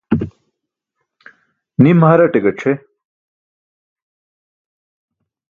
Nim haraṭe gac̣ʰe.